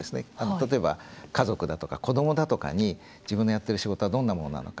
例えば家族だとか子どもだとかに自分のやってる仕事はどんなものなのか。